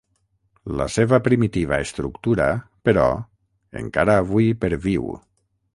La seva primitiva estructura, però, encara avui perviu.